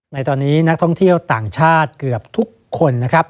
ในตอนนี้นักท่องเที่ยวต่างชาติเกือบทุกคนนะครับ